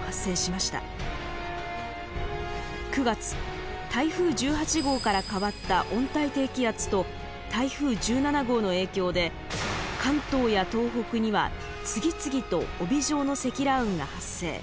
９月台風１８号から変わった温帯低気圧と台風１７号の影響で関東や東北には次々と帯状の積乱雲が発生。